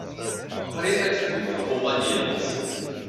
Qrib ad tebdu telɣuɣa n yelmeẓyen.